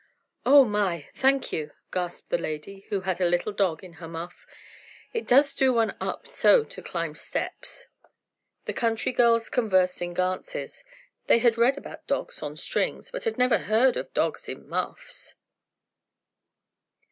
"Oh, my! Thank you," gasped the lady who had a little dog in her muff. "It does do one up so to climb steps!" The country girls conversed in glances. They had read about dogs on strings, but had never heard of dogs in muffs.